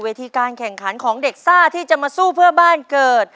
ที่การแข่งขันของเด็กซ่าที่จะมาสู้เพื่อบ้านเกิด